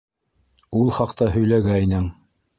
Ул хаҡта һөйләгәйнең...